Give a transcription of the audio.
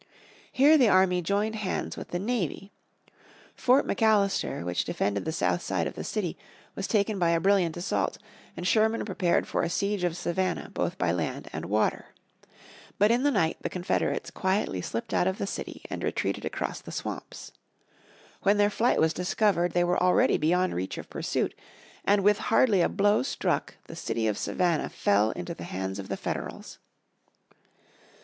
Here the army joined hands with the navy. Fort McAllister, which defended the south side of the city, was taken by a brilliant assault, and Sherman prepared for a siege of Savannah both by land and water. But in the night the Confederates quietly slipped out of the city, and retreated across the swamps. When their flight was discovered they were already beyond reach of pursuit, and with hardly a blow struck, the city of Savannah fell into the hands of the Federals.